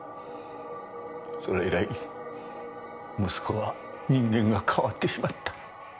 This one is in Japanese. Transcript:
それ以来息子は人間が変わってしまった。